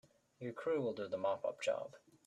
Your crew will do the mop up job.